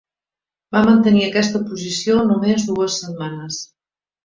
Va mantenir aquesta posició només dues setmanes.